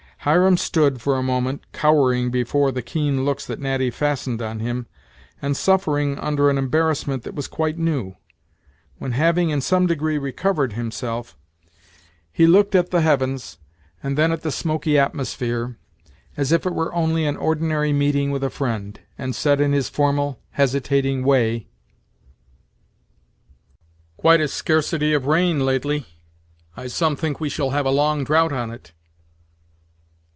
Hiram stood, for a moment, cowering before the keen looks that Natty fastened on him, and suffering under an embarrassment that was quite new; when having in some degree recovered himself, he looked at the heavens, and then at the smoky atmosphere, as if it were only an ordinary meeting with a friend, and said in his formal, hesitating way: "Quite a scurcity of rain, lately; I some think we shall have a long drought on't."